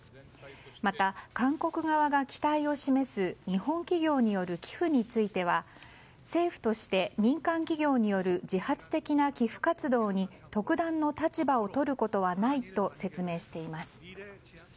また、韓国側が期待を示す日本企業による寄付については政府として民間企業による自発的な寄付活動に特段の立場をとることはないと説明しています。